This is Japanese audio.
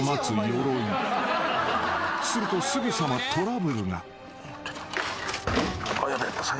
［するとすぐさまトラブルが］